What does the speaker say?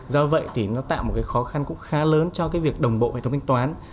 do vậy thì nó tạo một khó khăn cũng khá lớn cho việc đồng bộ hệ thống thanh toán